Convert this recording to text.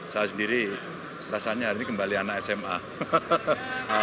saya sendiri rasanya hari ini kembali anak sma